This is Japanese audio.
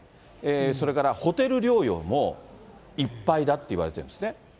それからホテル療養もいっぱいだっていわれてるんですね。